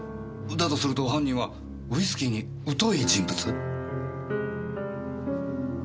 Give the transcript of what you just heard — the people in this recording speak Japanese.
だとすると犯人はウイスキーに疎い人物？